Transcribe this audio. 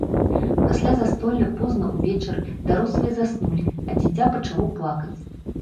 Пасля застолля позна ўвечары дарослыя заснулі, а дзіця пачало плакаць.